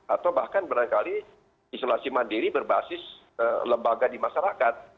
atau bahkan barangkali isolasi mandiri berbasis lembaga di masyarakat